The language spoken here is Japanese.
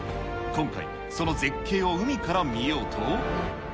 今回、その絶景を海から見ようと。